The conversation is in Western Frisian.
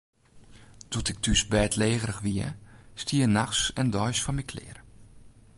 Doe't ik thús bêdlegerich wie, stie er nachts en deis foar my klear.